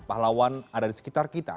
pahlawan ada di sekitar kita